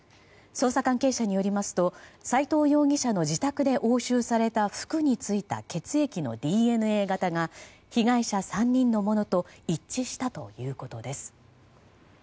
捜査関係者によりますと斎藤容疑者の自宅で押収された服に付いた血液のＤＮＡ型が被害者３人のものと一致したということです。